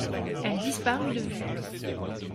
Elle disparut de vue.